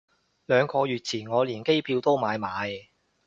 兩個月前我連機票都買埋